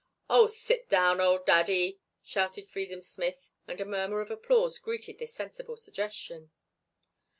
"Oh, sit down, old daddy," shouted Freedom Smith and a murmur of applause greeted this sensible suggestion.